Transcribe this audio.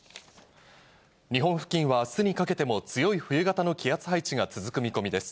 日本付近はあすにかけても強い冬型の気圧配置が続く見込みです。